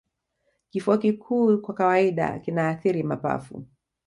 Kifua kikuu kwa kawaida kinaathiri mapafu